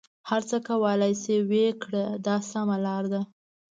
هر څه کولای شې ویې کړه دا سمه لاره ده.